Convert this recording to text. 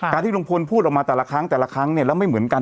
ที่ลุงพลพูดออกมาแต่ละครั้งแต่ละครั้งเนี่ยแล้วไม่เหมือนกัน